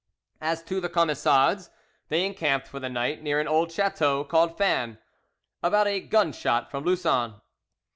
As to the Camisards, they encamped for the night near an old chateau called Fan, about a gun shot from Lussan.